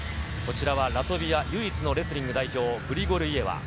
ラトビア唯一のレスリング代表・グリゴルイエワ。